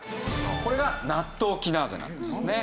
これがナットウキナーゼなんですね。